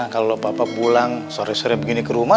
kalau bapak pulang sore sore begini ke rumah